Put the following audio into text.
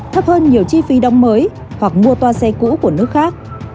thấp hơn nhiều chi phí đóng mới hoặc mua toa xe cũ của nước khác